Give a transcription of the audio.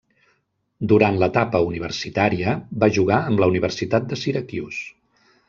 Durant l'etapa universitària va jugar amb la Universitat de Syracuse.